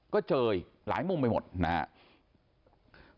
ก็เจยหลายมุมไปหมดนะครับ